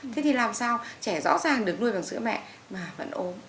thế thì làm sao trẻ rõ ràng được nuôi bằng sữa mẹ mà vẫn ôm